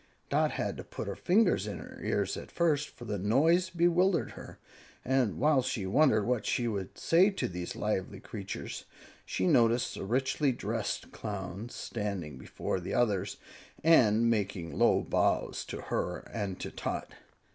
Dot had to put her fingers in her ears at first, for the noise bewildered her, and while she wondered what she should say to these lively creatures, she noticed a richly dressed Clown standing before the others, and making low bows to her and to Tot.